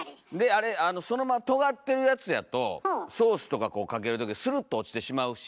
あれとがってるやつやとソースとかかけるときスルッと落ちてしまうし。